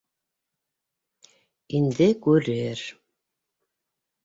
Инде күрер.